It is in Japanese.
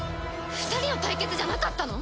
２人の対決じゃなかったの？